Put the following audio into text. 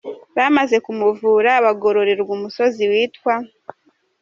Bamaze kumuvura bagororerwa umusozi witwa